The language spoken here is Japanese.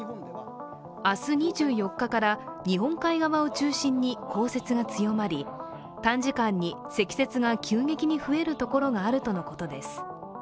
明日２４日から日本海側を中心に降雪が強まり短時間に積雪が急激に増えるところがあるとのことです。